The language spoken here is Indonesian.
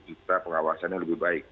kita pengawasannya lebih baik